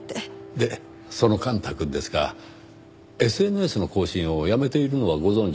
でその幹太くんですがＳＮＳの更新をやめているのはご存じですか？